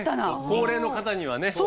高齢の方にはね優しい。